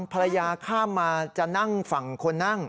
ภรรยาข้ามมาจะนั่งฝั่งคนนั่ง